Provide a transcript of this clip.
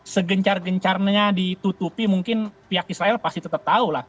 segencar gencarnya ditutupi mungkin pihak israel pasti tetap tahu lah